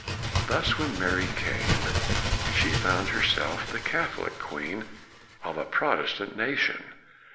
Thus, when Mary came she found her self the Catholic Queen of a Protestant nation.